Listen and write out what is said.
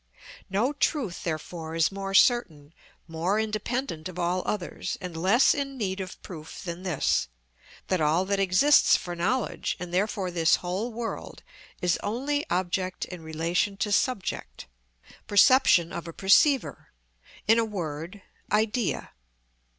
No truth therefore is more certain, more independent of all others, and less in need of proof than this, that all that exists for knowledge, and therefore this whole world, is only object in relation to subject, perception of a perceiver, in a word, idea.